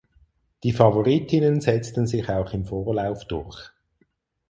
Die Favoritinnen setzten sich auch im Vorlauf durch.